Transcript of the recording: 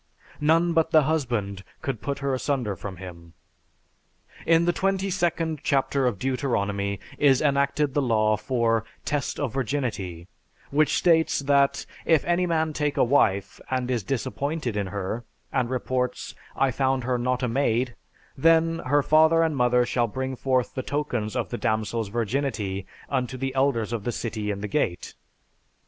None but the husband could put her asunder from him. In the 22d chapter of Deuteronomy is enacted the law for "Test of Virginity," which states that, "If any man take a wife, and is disappointed in her, and reports, 'I found her not a maid,' then, her father and mother shall bring forth the tokens of the damsel's virginity unto the elders of the city in the gate."